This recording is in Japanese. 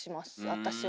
私は。